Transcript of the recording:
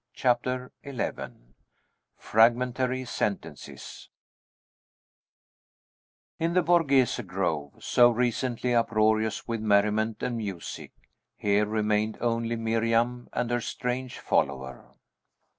CHAPTER XI FRAGMENTARY SENTENCES In the Borghese Grove, so recently uproarious with merriment and music, there remained only Miriam and her strange follower.